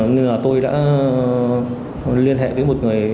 nhưng tôi đã liên hệ với một người